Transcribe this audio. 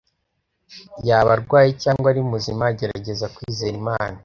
yaba arwaye cyangwa ari muzima agergeza kwizera Imana.